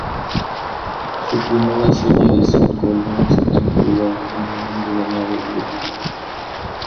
Su primera serie de cinco álbumes, tiene lugar en un mundo llamado Lock.